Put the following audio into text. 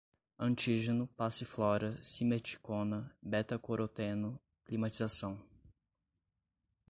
antígeno, passiflora, simeticona, betacoroteno, climatização